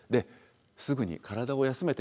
すぐに体を休めて。